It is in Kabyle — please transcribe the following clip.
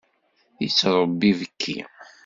Yettṛebbi ibekki.